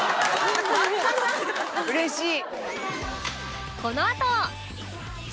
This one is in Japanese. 嬉しい！